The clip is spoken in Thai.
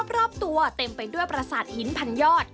รอบตัวเต็มไปด้วยประสาทหินพันยอด